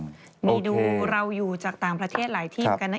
มีดูเราอยู่จากต่างประเทศหลายที่เหมือนกันนะ